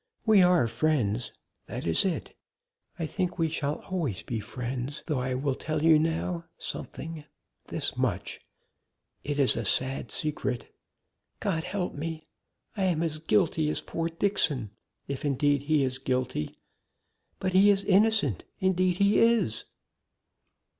"We are friends. That is it. I think we shall always be friends, though I will tell you now something this much it is a sad secret. God help me! I am as guilty as poor Dixon, if, indeed, he is guilty but he is innocent indeed he is!"